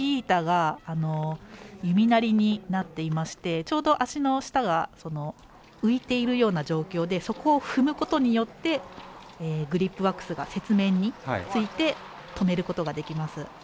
スキー板が弓なりになっていましてちょうど足の下が浮いているような状況でそこを踏むことによってグリップワックスが雪面について止めることができます。